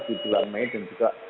di bulan mei dan juga